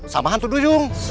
sama hantu duyung